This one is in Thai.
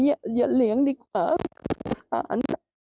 อย่าเลี้ยงดีกว่าสงสาร